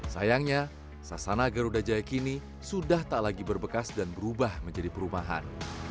sayangnya sasana garuda jaya kini sudah tak lagi berbekas dan berubah menjadi perumahan